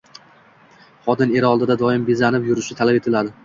Xotin eri oldida doim bezanib yurishi talab etiladi.